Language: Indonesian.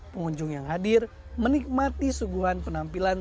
pengunjung yang hadir menikmati suguhan penampilan